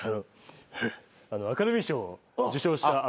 アカデミー賞を受賞した阿部寛。